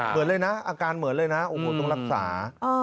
เหมือนเลยนะอาการเหมือนเลยนะโอ้โหต้องรักษา